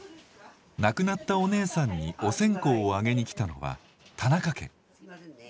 亡くなったお姉さんにお線香をあげに来たのは田中家。